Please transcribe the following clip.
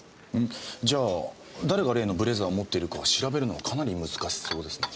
じゃあ誰が例のブレザーを持っているか調べるのはかなり難しそうですね。